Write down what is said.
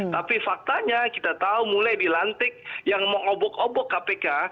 tapi faktanya kita tahu mulai dilantik yang mau ngobok ngobok kpk